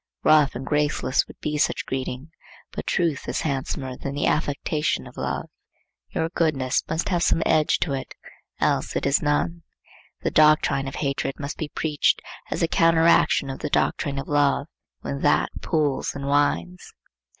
Rough and graceless would be such greeting, but truth is handsomer than the affectation of love. Your goodness must have some edge to it,—else it is none. The doctrine of hatred must be preached, as the counteraction of the doctrine of love, when that pules and whines.